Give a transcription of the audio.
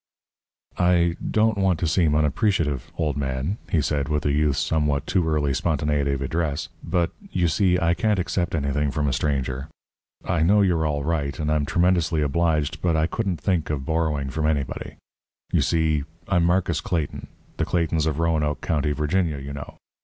"I don't want to seem unappreciative, old man," he said, with a youth's somewhat too early spontaneity of address, "but, you see, I can't accept anything from a stranger. I know you're all right, and I'm tremendously obliged, but I couldn't think of borrowing from anybody. You see, I'm Marcus Clayton the Claytons of Roanoke County, Virginia, you know.